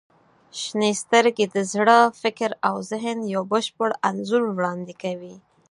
• شنې سترګې د زړه، فکر او ذهن یو بشپړ انځور وړاندې کوي.